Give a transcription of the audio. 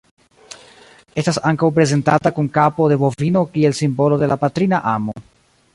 Estas ankaŭ prezentata kun kapo de bovino kiel simbolo de la patrina amo.